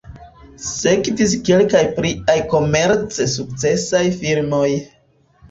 Sekvis kelkaj pliaj komerce sukcesaj filmoj.